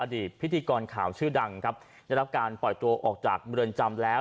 พิธีกรข่าวชื่อดังครับได้รับการปล่อยตัวออกจากเมืองจำแล้ว